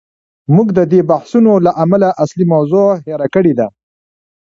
موږ د دې بحثونو له امله اصلي موضوع هیر کړې ده.